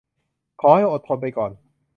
ขอให้อดทนไปก่อน